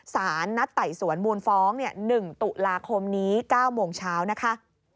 สารนัดไต่สวนมูลฟ้อง๑ตุลาคมนี้๙โมงเช้านะคะ